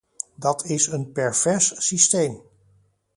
Dat is een pervers systeem!